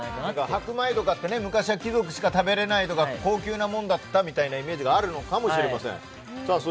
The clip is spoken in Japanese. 白米とかって昔は貴族しか食べれないとか高級ものだったというイメージがあるのかもしれません。